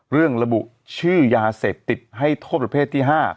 ระบุชื่อยาเสพติดให้โทษประเภทที่๕